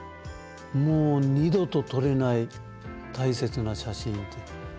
「もう二度と撮れない大切な写真」って。